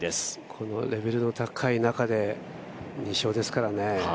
このレベルの高い中で２勝ですからね。